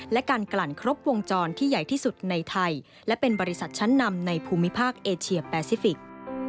และการกลั่นครบวงจรที่ใหญ่ที่สุดในไทยและเป็นบริษัทชั้นนำในภูมิภาคเอเชียแปซิฟิกส์